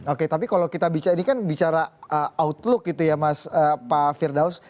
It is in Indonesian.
oke tapi kalau kita bicara outlook gitu ya mas pak firdaus